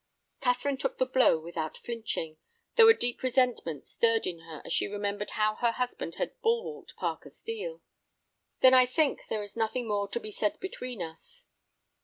Catherine took the blow without flinching, though a deep resentment stirred in her as she remembered how her husband had bulwarked Parker Steel. "Then I think there is nothing more to be said between us."